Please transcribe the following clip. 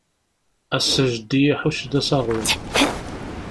Ass-a, jeddi iḥucc-d asaɣur.